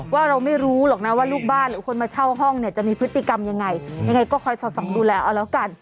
ว่าเราไม่รู้หรอกนะว่าลูกบ้านหรือคนมาเช่าห้องเนี่ยจะมีพฤติกรรมยังไงยังไงก็คอยสอดส่องดูแลเอาแล้วกัน